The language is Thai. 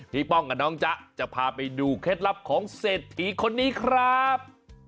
ป้องกับน้องจ๊ะจะพาไปดูเคล็ดลับของเศรษฐีคนนี้ครับ